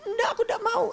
nggak aku nggak mau